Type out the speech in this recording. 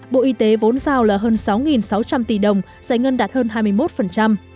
bộ y tế vốn giao là hơn sáu sáu trăm linh tỷ đồng giải ngân đạt hơn hai mươi một